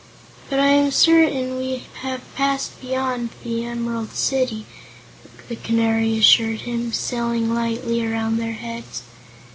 "But I am certain we have passed beyond Emerald City," the Canary assured him, sailing lightly around their heads.